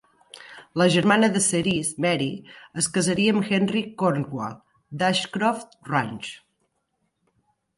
La germana de Cerise, Mary, es casaria amb Henry Cornwall, d'Ashcroft Ranch.